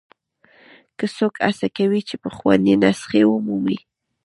که څوک هڅه کوي چې پخوانۍ نسخې ومومي.